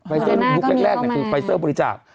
ไฟเซอร์บุ๊คแรกนี่คือไฟเซอร์บริจักษ์